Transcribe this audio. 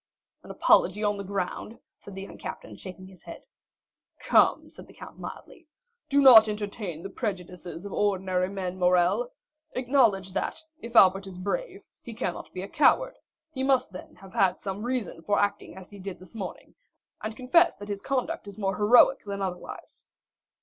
"An apology on the ground!" said the young captain, shaking his head. "Come," said the count mildly, "do not entertain the prejudices of ordinary men, Morrel! Acknowledge, that if Albert is brave, he cannot be a coward; he must then have had some reason for acting as he did this morning, and confess that his conduct is more heroic than otherwise."